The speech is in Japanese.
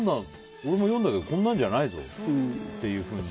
俺も読んだけどこんなんじゃないぞっていうふうに。